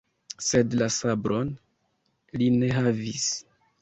Sed la sabron li ne havis!